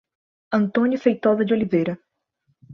Antônio Feitoza de Oliveira